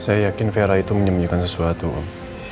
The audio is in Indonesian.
saya yakin vera itu menyembunyikan sesuatu om